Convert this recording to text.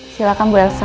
silahkan bu elsa